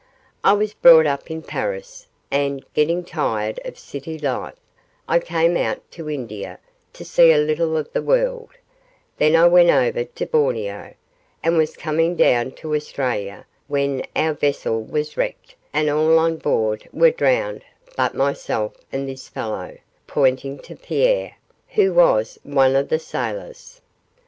I was brought up in Paris, and, getting tired of city life, I came out to India to see a little of the world; then I went over to Borneo, and was coming down to Australia, when our vessel was wrecked and all on board were drowned but myself and this fellow,' pointing to Pierre, 'who was one of the sailors.